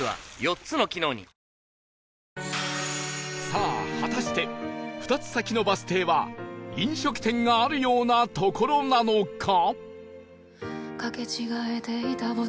さあ果たして２つ先のバス停は飲食店があるような所なのか？